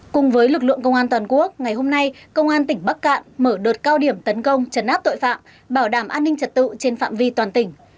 cùng với lực lượng công an toàn quốc ngày hôm nay công an tỉnh bắc cạn mở đợt cao điểm tấn công chấn áp tội phạm bảo đảm an ninh trật tự trên phạm vi toàn tỉnh